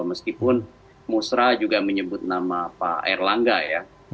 meskipun musra juga menyebut nama pak erlangga ya